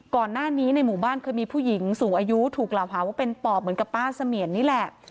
ก่อนหน้านี้ในหมู่บ้านเคยมีผู้หญิงสูงอายุถูกกล่าวหาว่าเป็นปอบเหมือนกับป้าเสมียนนี่แหละ